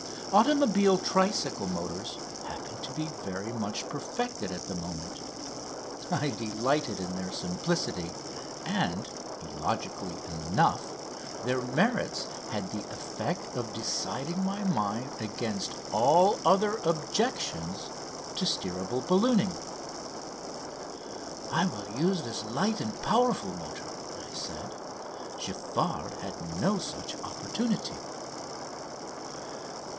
Automobile tricycle motors happened to be very much perfected at the moment. I delighted in their simplicity, and, illogically enough, their merits had the effect of deciding my mind against all other objections to steerable ballooning. "I will use this light and powerful motor," I said. "Giffard had no such opportunity."